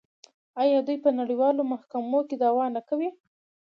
آیا دوی په نړیوالو محکمو کې دعوا نه کوي؟